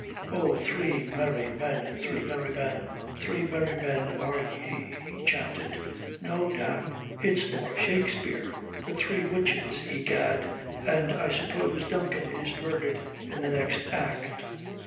"Oh, three merry men, three merry men, three merry men are ye," he chanted. "No, damme, it's more Shakespeare. The three witches, egad. And I suppose Duncan is murdered in the next act.